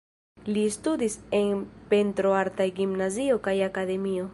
Li studis en pentroartaj gimnazio kaj akademio.